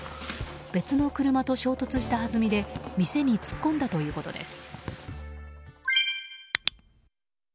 別の車と衝突したはずみで店に突っ込んだということです。